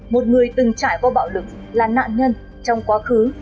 một người từng trải qua bạo lực là nạn nhân trong quá khứ